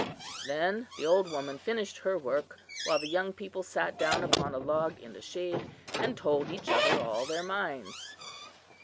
Then the old woman finished her work, while the young people sat down upon a log in the shade, and told each other all their minds.